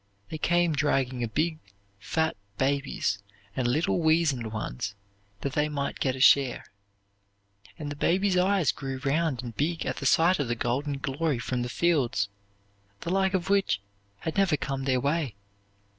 They came dragging big, fat babies and little weazened ones that they might get a share, and the babies' eyes grew round and big at the sight of the golden glory from the fields, the like of which had never come their way.